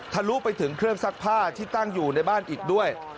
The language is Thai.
ลุไปถึงเครื่องซักผ้าที่ตั้งอยู่ในบ้านอีกด้วย